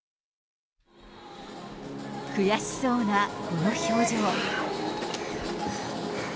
悔しそうなこの表情。